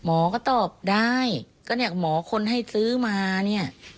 หมอก็ตอบได้ก็เนี่ยหมอคนให้ซื้อมาเนี่ย